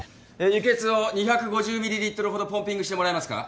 輸血を２５０ミリリットルほどポンピングしてもらえますか？